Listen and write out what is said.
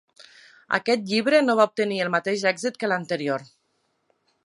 Aquest llibre no va obtenir el mateix èxit que l'anterior.